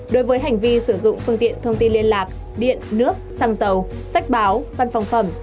đối với hành vi sử dụng phương tiện thông tin liên lạc điện nước xăng dầu sách báo văn phòng phẩm